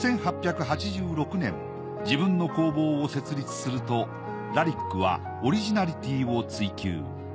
１８８６年自分の工房を設立するとラリックはオリジナリティーを追求。